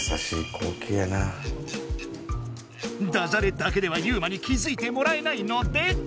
ダジャレだけではユウマに気付いてもらえないので。